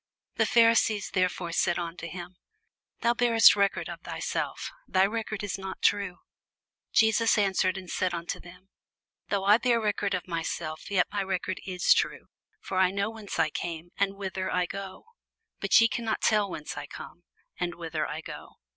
The Pharisees therefore said unto him, Thou bearest record of thyself; thy record is not true. Jesus answered and said unto them, Though I bear record of myself, yet my record is true: for I know whence I came, and whither I go; but ye cannot tell whence I come, and whither I go.